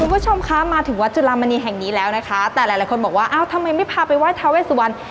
คุณผู้ชมคะมาถึงวัดจุลามณีแห่งนี้แล้วนะคะแต่หลายคนบอกว่าอ้าวทำไมไม่พาไปไห้ทาเวสุวรรณ